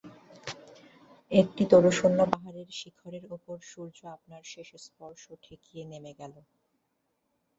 একটি তরুশূন্য পাহাড়ের শিখরের উপর সূর্য আপনার শেষ স্পর্শ ঠেকিয়ে নেমে গেল।